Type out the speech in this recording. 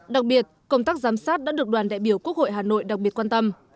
đặc biệt công tác giám sát đã được đoàn đại biểu quốc hội hà nội đặc biệt quan tâm